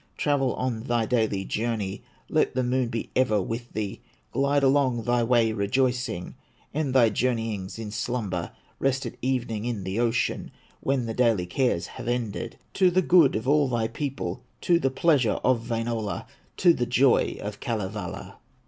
Travel on thy daily journey, Let the Moon be ever with thee; Glide along thy way rejoicing, End thy journeyings in slumber; Rest at evening in the ocean, When the daily cares have ended, To the good of all thy people, To the pleasure of Wainola, To the joy of Kalevala!"